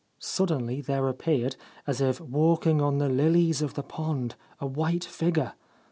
Suddenly there appeared, as if walking on the lilies of the pond, a white figure.